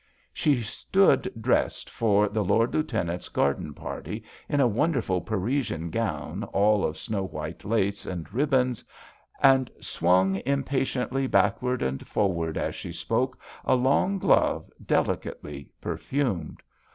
She stood dressed for the Lord Lieutenant's garden party in a wonderful Parisian gown all of snow white lace and ribbons, and swung impatiently backwards and forwards as she spoke a long glove delicately perfumed.